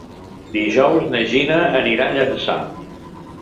Dijous na Gina anirà a Llançà.